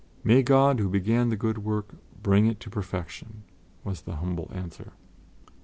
"May God, who began the good work, bring it to perfection," was the humble answer.